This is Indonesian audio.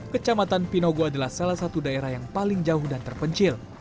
kecamatan pinogo adalah salah satu daerah yang paling jauh dan terpencil